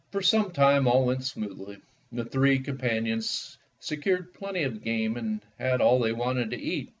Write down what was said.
For some time all went smoothly, the three companions secured plenty of game and had all they wanted to eat.